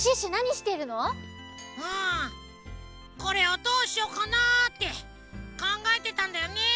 うんこれをどうしよかなってかんがえてたんだよね。